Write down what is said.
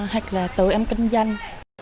hoặc là tụi em kinh doanh